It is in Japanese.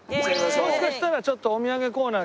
もしかしたらちょっとお土産コーナー